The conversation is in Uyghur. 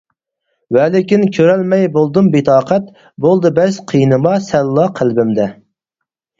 ۋەلىكىن كۆرەلمەي بولدۇم بىتاقەت، بولدى بەس! قىينىما سەنلا قەلبىمدە.